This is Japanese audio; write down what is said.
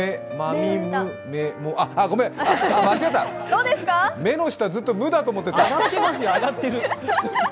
「め」の下、ずっと「む」だと思ってた。